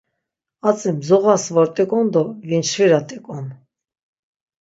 Atzi mzoğas vort̆iǩon do vinçvirat̆iǩon.